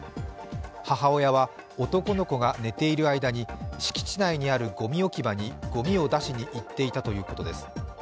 母親は、男の子が寝ている間に敷地内にあるごみ置き場にごみを出しに行っていたということです。